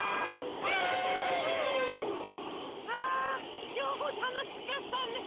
あきょうもたのしかったね！